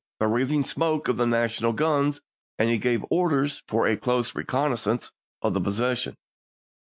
the wreathing smoke of the National guns, and he gave orders for a close reconnaissance of the position.